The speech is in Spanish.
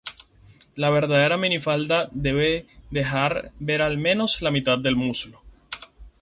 La verdadera minifalda debe dejar ver al menos la mitad del muslo.